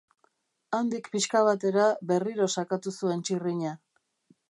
Handik pixka batera berriro sakatu zuen txirrina.